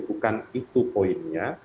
bukan itu poinnya